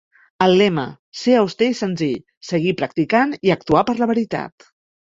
El lema "Ser auster i senzill, seguir practicant i actuar per la veritat".